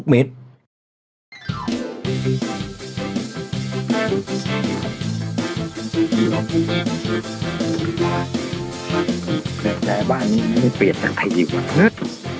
มีใจบ้านนี้ไม่เปลี่ยนใครดีกว่าเนื้อ